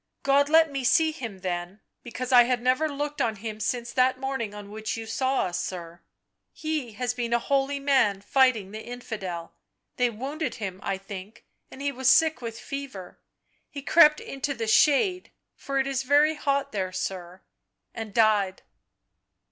God let me see him then, because I had never looked on him since that morning on which you saw us, sir ... he has been a holy man fighting the infidel; they wounded him, I think, and he was sick with fever — he crept into the shade (for it is very hot there, sir), ... and died."